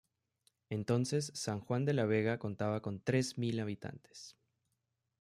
Entonces San Juan de la Vega contaba con tres mil habitantes.